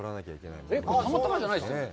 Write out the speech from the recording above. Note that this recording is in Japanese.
たまたまじゃないですよね？